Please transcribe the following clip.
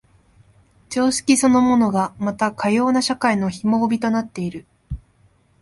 常識そのものがまたかような社会の紐帯となっている。